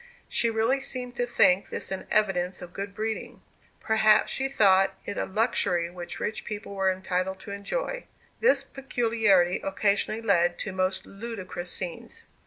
She really seemed to think this an evidence of good breeding. Perhaps she thought it a luxury which rich people were entitled to enjoy. This peculiarity occasionally led to most ludicrous scenes.